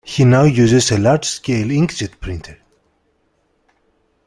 He now uses a large-scale inkjet printer.